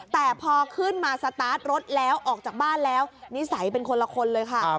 แต่พอขึ้นมาสตาร์ทรถแล้วออกจากบ้านแล้วนิสัยเป็นคนละคนเลยค่ะ